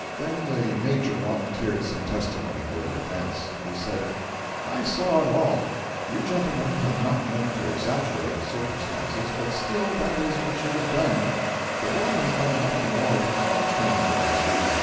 Then the Major volunteered some testimony for the defence. He said: 'I saw it all. You gentlemen have not meant to exaggerate the circumstances, but still that is what you have done. The boy has done nothing more than all train boys do.